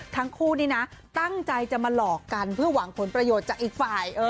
ทั้งคู่นี้นะตั้งใจจะมาหลอกกันเพื่อหวังผลประโยชน์จากอีกฝ่าย